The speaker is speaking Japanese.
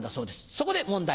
そこで問題。